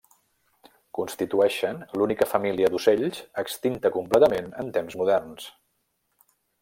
Constitueixen l'única família d'ocells extinta completament en temps moderns.